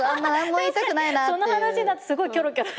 その話になるとすごいキョロキョロ。